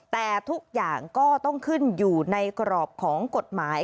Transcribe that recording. แต่ทุกอย่างก็ต้องขึ้นอยู่ในกรอบของกฎหมาย